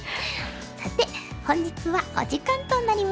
さて本日はお時間となりました。